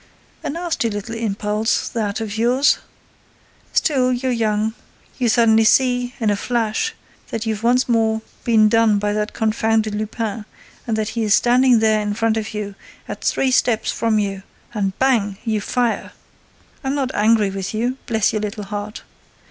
—A nasty little impulse, that, of yours!—Still, you're young, you suddenly see—in a flash!—that you've once more been done by that confounded Lupin and that he is standing there in front of you, at three steps from you—and bang! You fire!—I'm not angry with you, bless your little heart!